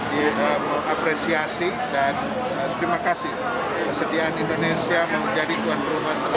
diapresiasi dan terima kasih kesediaan indonesia menjadi tuan perumahan selalu